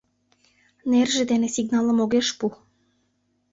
Нерже дене сигналым огеш пу.